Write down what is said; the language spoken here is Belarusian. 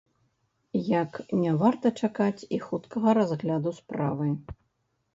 Як не варта чакаць і хуткага разгляду справы.